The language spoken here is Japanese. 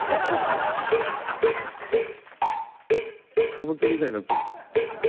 「」「歌舞伎みたいになってる」